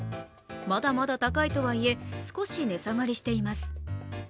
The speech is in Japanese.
まだまだ高いとはいえ、少し値下がりしています。